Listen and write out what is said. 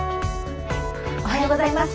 おはようございます。